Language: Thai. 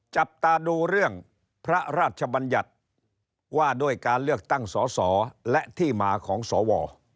จับตาดูเรื่องพระราชบัญญัติว่าด้วยการเลือกตั้งสอสอและที่มาของสว